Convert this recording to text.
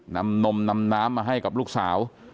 นำนมนำน้ำมาให้กับลูกสาว